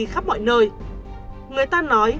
khắp mọi nơi người ta nói